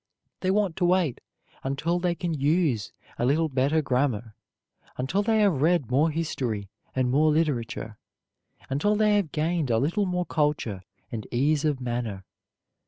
They want to wait until they can use a little better grammar, until they have read more history and more literature, until they have gained a little more culture and ease of manner.